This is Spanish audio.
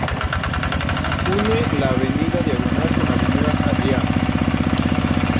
Une la avenida Diagonal con la avenida de Sarriá.